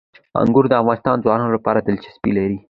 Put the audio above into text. انګور د افغان ځوانانو لپاره دلچسپي لري.